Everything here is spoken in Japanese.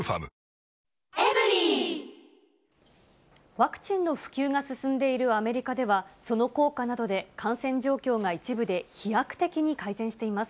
ワクチンの普及が進んでいるアメリカでは、その効果などで感染状況が一部で飛躍的に改善しています。